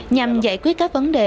nhằm giải quyết các vấn đề